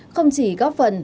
không chỉ góp phần